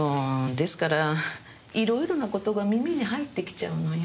ですから色々なことが耳に入ってきちゃうのよ。